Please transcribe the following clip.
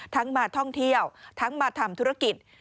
มาท่องเที่ยวทั้งมาทำธุรกิจ